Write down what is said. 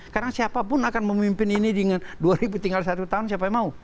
karena siapapun akan memimpin ini dengan dua ribu tinggal satu tahun siapa yang mau